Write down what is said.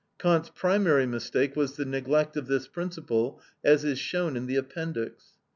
Kant's primary mistake was the neglect of this principle, as is shown in the appendix.